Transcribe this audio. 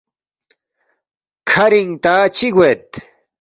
کھرِنگ تا چِہ گوید